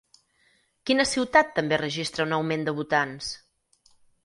Quina ciutat també registra un augment de votants?